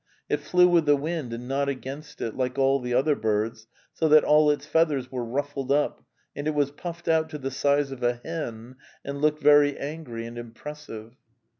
It flew with the wind and not against it, like all the other birds, so that all its feathers were ruffed up and it was puffed out to the size of a hen and looked very angry and impressive.